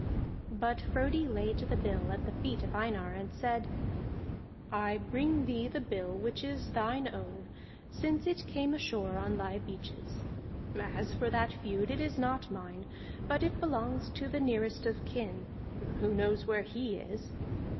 But Frodi laid the bill at the feet of Einar, and said: "I bring thee the bill which is thine own, since it came ashore on thy beaches. As for that feud, it is not mine, but it belongs to the nearest of kin. Who knows where he is?